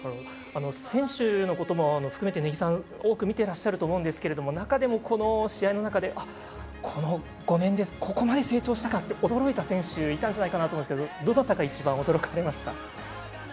選手のことも含めて根木さん多く見ていらっしゃると思うんですけど、中でもこの５年で成長驚いた選手いたんじゃないかと思いますがどなたが、一番驚かれました？